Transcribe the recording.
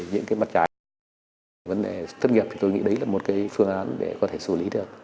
vấn đề thất nghiệp thì tôi nghĩ đấy là một cái phương án để có thể xử lý được